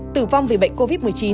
tử vong vì bệnh covid một mươi chín